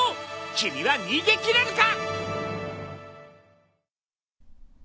君は逃げ切れるか！？